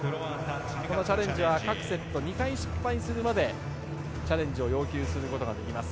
このチャレンジは各セット２回失敗するまでチャレンジを要求することができます。